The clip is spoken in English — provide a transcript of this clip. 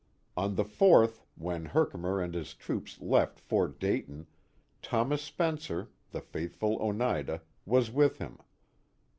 On the 4th, when Herkimer and his troops left Fort Day ton, Thomas Spencer, the faithful Oneida, was with him.